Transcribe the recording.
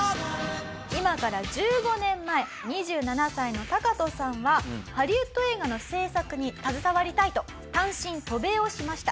今から１５年前２７歳のタカトさんはハリウッド映画の製作に携わりたいと単身渡米をしました。